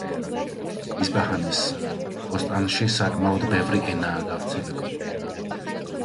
ისპაჰანის ოსტანში საკმაოდ ბევრი ენაა გავრცელებული.